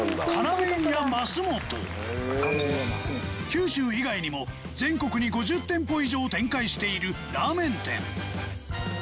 九州以外にも全国に５０店舗以上展開しているラーメン店